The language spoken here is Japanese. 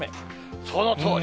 そのとおり。